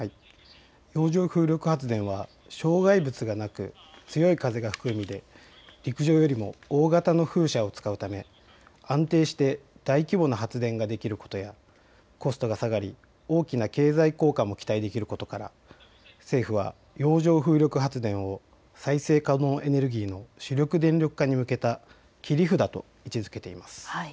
洋上風力発電は障害物がなく強い風が吹く海で陸上よりも大型の風車を使うため安定して大規模な発電ができることやコストが下がり大きな経済効果も期待できることから政府は洋上風力発電を再生可能エネルギーの主力電力化に向けた切り札と位置づけています。